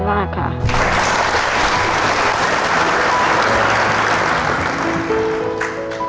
จะทำเวลาไหมครับเนี่ย